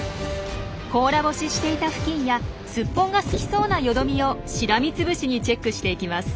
甲羅干ししていた付近やスッポンが好きそうなよどみをしらみつぶしにチェックしていきます。